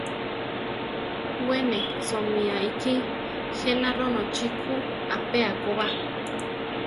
We ne soʼmía ikí je na ronochí kú apéa ko ba.